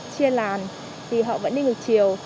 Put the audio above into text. chia làn thì họ vẫn đi ngược chiều